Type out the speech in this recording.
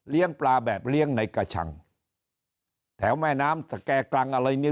เลี้ยงปลาแบบเลี้ยงในกระชังแถวแม่น้ำสแก่กลังอะไร